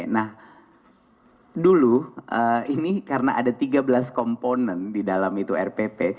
nah dulu ini karena ada tiga belas komponen di dalam itu rpp